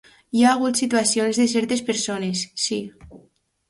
Hi ha hagut situacions de certes persones, sí.